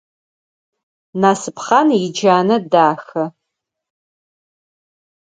Насыпхъан иджанэ дахэ.